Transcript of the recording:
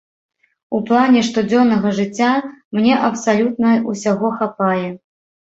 У плане штодзённага жыцця мне абсалютна ўсяго хапае.